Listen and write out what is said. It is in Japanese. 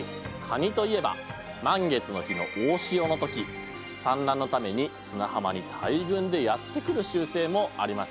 カニといえば満月の日の大潮の時産卵のために砂浜に大群でやってくる習性もありますよね。